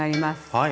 はい。